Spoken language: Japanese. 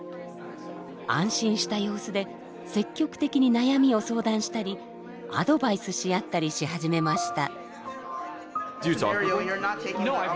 安心した様子で積極的に悩みを相談したりアドバイスし合ったりし始めました。